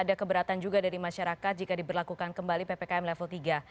ada keberatan juga dari masyarakat jika diberlakukan kembali ppkm level tiga